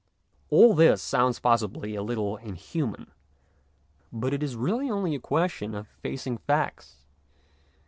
All this sounds possibly a little inhuman, but it is really only a question of facing facts.